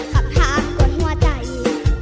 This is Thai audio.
ขับทางคนหัวใจ